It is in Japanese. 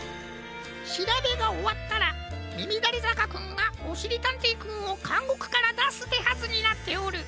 しらべがおわったらみみだれざかくんがおしりたんていくんをかんごくからだすてはずになっておる。